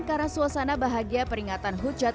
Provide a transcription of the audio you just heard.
karena suasana bahagia peringatan hujat